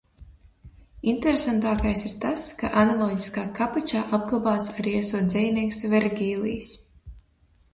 Interesantākais ir tas, ka analoģiskā kapličā apglabāts arī esot dzejnieks Vergīlijs.